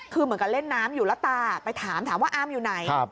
คือเหมือนกับเล่นน้ำอยู่แล้วตาไปถามถามว่าอามอยู่ไหน